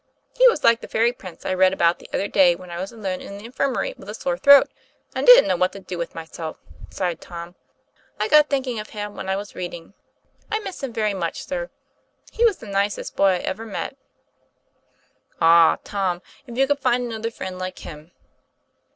" He was like the fairy prince I read about the other day when I was alone in the infirmary with a sore throat and didn't know what to do with myself," sighed Tom. " I got thinking of him when I was reading. I miss him very much, sir. He was the nicest boy I ever met." TOM PL A YF AIR. 255 "Ah, Tom, if you could find another friend like him!"